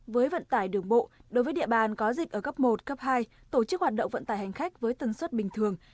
với vận tải đường bộ đối với địa bàn có dịch ở cấp một cấp hai tổ chức hoạt động vận tải hành khách với tần suất bình thường